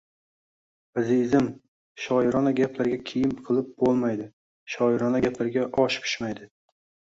Azizim, shoirona gaplarga kiyim qilib bo’lmaydi, shoirona gaplarga osh pishmaydi